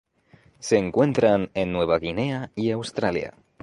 Se encuentran en Nueva Guinea y Australia.